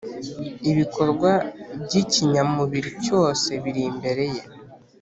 Ibikorwa by’ikinyamubiri cyose biri imbere ye,